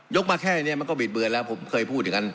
มาแค่นี้มันก็บิดเบือนแล้วผมเคยพูดอย่างนั้น